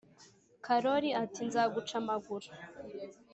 karori ati nzaguca amaguru